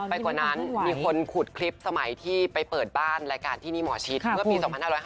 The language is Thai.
กว่านั้นมีคนขุดคลิปสมัยที่ไปเปิดบ้านรายการที่นี่หมอชิดเมื่อปี๒๕๕๙